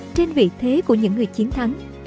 trên vị thế của những người chiến thắng